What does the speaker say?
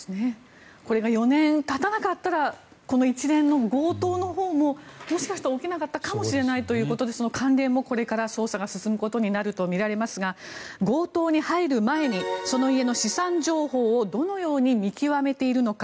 ４年たたなかったら一連の強盗ももしかしたら起きなかったのかもしれないということでその関連もこれから捜査が進むことになると思いますが強盗に入る前にその家の資産情報をどのように見極めているのか。